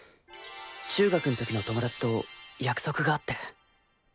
中学ん時の友達と約束があって。